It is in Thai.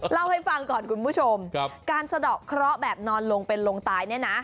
เล่าให้ฟังก่อนคุณผู้ชมการสะดอกเคราะห์แบบนอนลงเป็นลงตายเนี่ยนะ